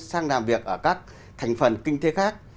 sang làm việc ở các thành phần kinh tế khác